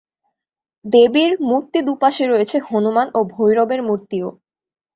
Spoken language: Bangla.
দেবীর মূর্তি দুপাশে রয়েছে হনুমান ও ভৈরবের মূর্তিও।